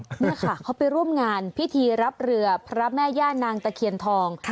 นี่ค่ะเขาไปร่วมงานพิธีรับเรือพระแม่ย่านางตะเคียนทอง